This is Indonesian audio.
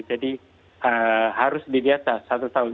jadi harus dilihat satu tahun